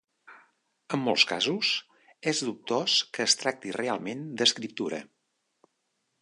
En molts casos, és dubtós que es tracti realment d'escriptura.